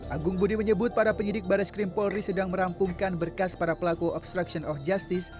agung budi menyebut para penyidik baris krim polri sedang merampungkan berkas para pelaku obstruction of justice